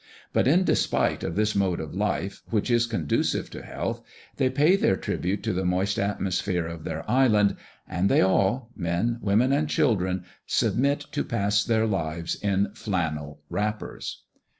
But in despite of this mode of life, which is conducive to health, they pay their tribute to the moist atmosphere of their island, and they all men, women, and children submit to pass their lives in flannel wrappers.